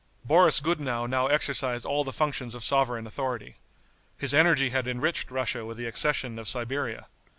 Boris Gudenow now exercised all the functions of sovereign authority. His energy had enriched Russia with the accession of Siberia.